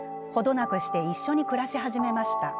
なくして、一緒に暮らし始めました。